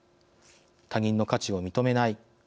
他人の価値を認めない。